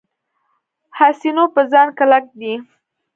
حسینو په ځان کلک دی.